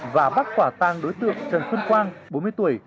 và bắt quả tang đối tượng trần xuân quang bốn mươi tuổi